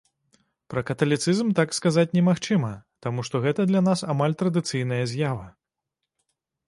Пра каталіцызм так сказаць немагчыма, таму што гэта для нас амаль традыцыйная з'ява.